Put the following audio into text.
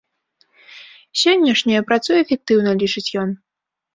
Сённяшняе працуе эфектыўна, лічыць ён.